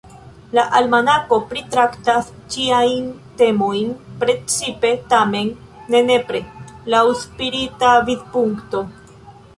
La Almanako pritraktas ĉiajn temojn, precipe, tamen ne nepre, laŭ spirita vidpunkto.